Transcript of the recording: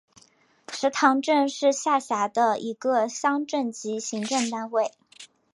石塘镇是下辖的一个乡镇级行政单位。